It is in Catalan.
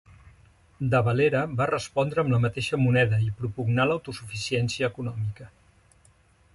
De Valera va respondre amb la mateixa moneda i propugnà l'autosuficiència econòmica.